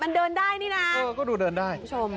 เฮ้ยมันเดินได้เนี่ยนะดูเดินได้ค่ะ